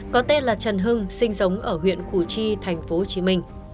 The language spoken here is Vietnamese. có tên là trần hưng sinh sống ở huyện củ chi tp hcm